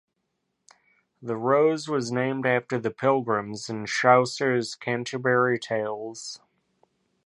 The rose was named after the pilgrims in Chaucer’s Canterbury Tales.